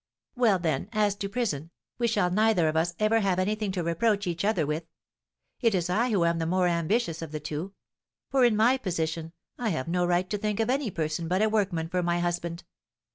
"Well, then, as to prison, we shall neither of us ever have anything to reproach each other with. It is I who am the more ambitious of the two; for, in my position, I have no right to think of any person but a workman for my husband.